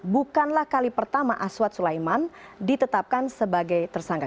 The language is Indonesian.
bukanlah kali pertama aswad sulaiman ditetapkan sebagai tersangka